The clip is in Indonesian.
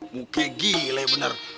muka gila ya bener